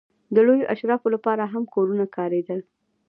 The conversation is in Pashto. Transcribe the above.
د لویو اشرافو لپاره هم کورونه کارېدل.